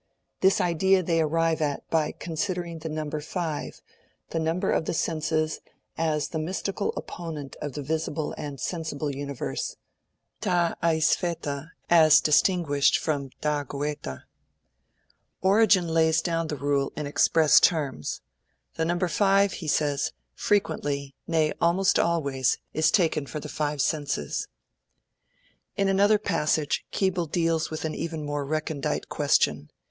They arrived at this idea by considering the number five, the number of the senses, as the mystical opponent of the visible and sensible universe ta aistheta, as distinguished from ta noita. Origen lays down the rule in express terms. '"The number five,"' he says, '"frequently, nay almost always, is taken for the five senses."' In another passage, Keble deals with an even more recondite question.